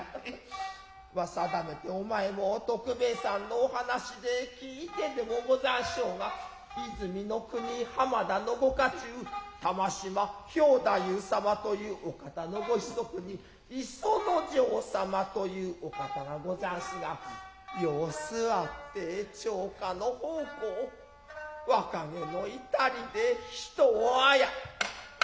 定めてお前も徳兵衛さんのお話で聞いてでもござんしょうが和泉国浜田の御家中玉島兵太夫様というお方のご子息に磯之丞様というお方がござんすが様子あって町家の奉公若気の至りで人を殺め。